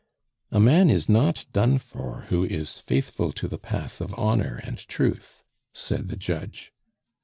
"A man is not done for who is faithful to the path of honor and truth," said the judge.